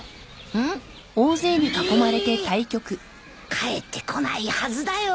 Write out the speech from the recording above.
帰ってこないはずだよ。